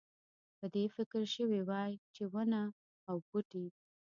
په دې فکر شوی وای چې ونه او بوټی.